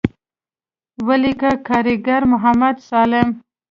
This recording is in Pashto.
وليکه کارګر محمد سالم.